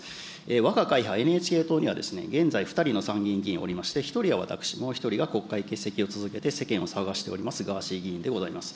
わが会派、ＮＨＫ党には現在２人の参議院議員おりまして、１人は私、もう１人が国会欠席を続けて世間を騒がせておりますガーシー議員でございます。